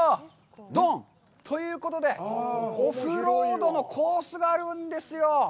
どん！ということで、オフロードのコースがあるんですよ。